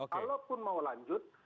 kalaupun mau lanjut